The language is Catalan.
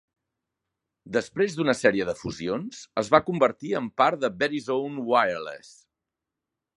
Després d'una sèrie de fusions, es va convertir en part de Verizon Wireless.